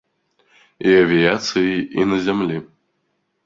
І авіяцыяй, і на зямлі.